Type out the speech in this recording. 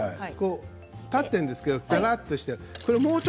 立っているんですけどぱらっとしてるでしょ？